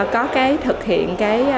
có thực hiện